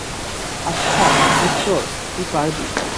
আচ্ছা, ভিক্টর, তুই পারবি।